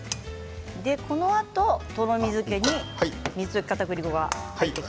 このあと、とろみづけに水溶きかたくり粉が。